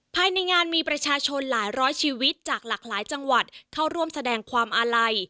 ภายในงานมีประชาชนหลายร้อยชีวิตจากหลากหลายจังหวัดเข้าร่วมแสดงความอาลัย